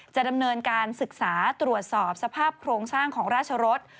จะดำเนินการศึกษาตรวจสอบสภาพโครงสร้างของราชรส